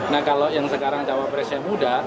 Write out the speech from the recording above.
nah kalau yang sekarang cawapresnya muda